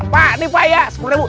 pak nih pak ya sepuluh ribu